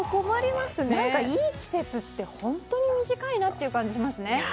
何か、いい季節って本当に短いなって感じがしますね。